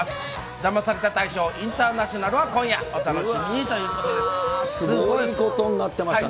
ダマされた大賞インターナショナルは今夜、お楽しみにということすごいことになってましたね。